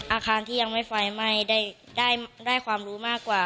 อาคารที่ยังไม่ไฟไหม้ได้ความรู้มากกว่า